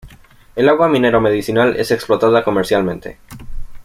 El agua minero-medicinal es explotada comercialmente.